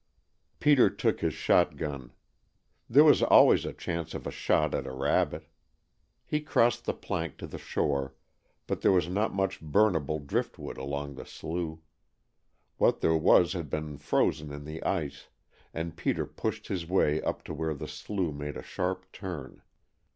Peter took his shot gun. There was always a chance of a shot at a rabbit. He crossed the plank to the shore, but there was not much burnable driftwood along the slough. What there was had been frozen in the ice, and Peter pushed his way up to where the slough made a sharp turn.